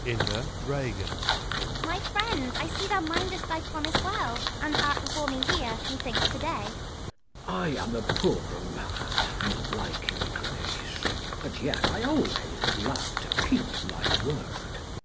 Ragan. My friend, I see thou mind'st thy promise well, And art before me here, methinks to day. Mess. I am a poor man, and it like your grace ; But yet I always love to keep my word. TO Ragan.